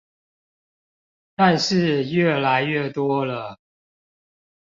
但是越來越多了